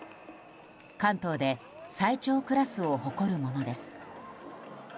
関東で最長クラスを誇るものです。